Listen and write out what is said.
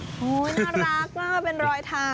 น่ารักมากเป็นรอยเท้า